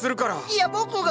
いや僕が。